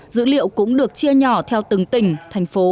dữ liệu cũng được chia nhỏ theo từng tỉnh